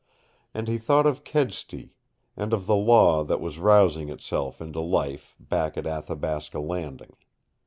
And he thought of Kedsty, and of the Law that was rousing itself into life back at Athabasca Landing.